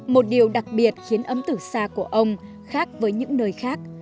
một điều đặc biệt khiến ấm từ xa của ông khác với những nơi khác